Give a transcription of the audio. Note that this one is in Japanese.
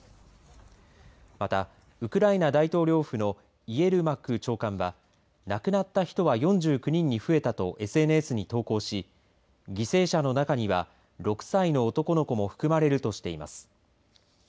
また、ウクライナ大統領府のイエルマク長官は亡くなった人は４９人に増えたとＳＮＳに投稿し犠牲者の中には６歳の男の子も含まれるとしています。